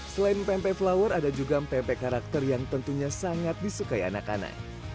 selain pempek flower ada juga mpe mpe karakter yang tentunya sangat disukai anak anak